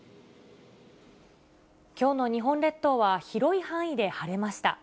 きょうの日本列島は、広い範囲で晴れました。